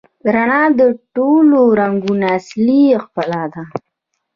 رڼا د ټولو رنګونو اصلي ښکلا ده.